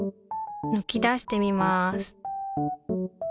ぬき出してみます